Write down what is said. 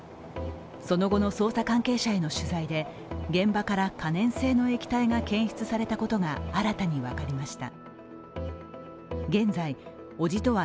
その後の捜査関係者への取材で現場から可燃性の液体が検出されたことが新たに分かりました。